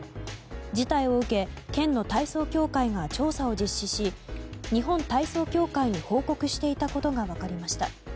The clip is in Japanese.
事態を受け県の体操協会が調査を実施し日本体操協会に報告していたことが分かりました。